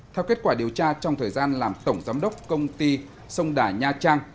theo kết quả điều tra trong thời gian làm tổng giám đốc công ty sông đà nha trang